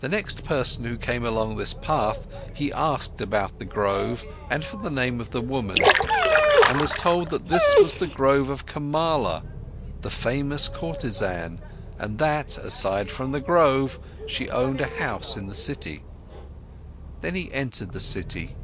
The next person who came along this path he asked about the grove and for the name of the woman, and was told that this was the grove of Kamala, the famous courtesan, and that, aside from the grove, she owned a house in the city. Then, he entered the city.